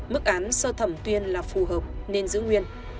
mức án sơ thẩm tuyên là phù hợp nên giữ nguyên